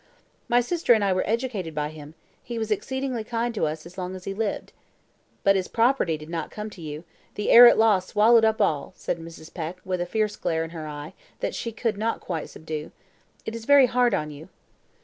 "My sister and I were educated by him; he was exceedingly kind to us as long as he lived." "But his property did not come to you; the heir at law swallowed up all," said Mrs. Peck, with a fierce glare in her eyes that she could not quite subdue. "It is very hard on you."